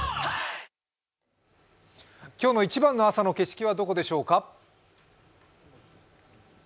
今日の一番の朝の景色はどこでしょうか？